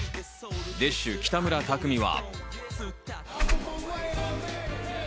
ＤＩＳＨ／／の北村匠海は。